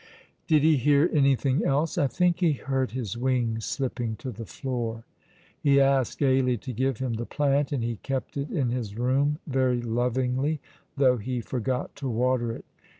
Did he hear anything else? I think he heard his wings slipping to the floor. He asked Ailie to give him the plant, and he kept it in his room very lovingly, though he forgot to water it.